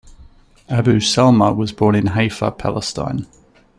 Abu Salma was born in Haifa, Palestine.